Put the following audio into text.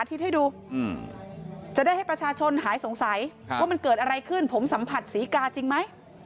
พูดสื่อหาของเราที่ปลายนะ